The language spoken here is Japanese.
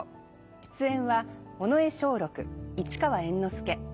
出演は尾上松緑市川猿之助坂東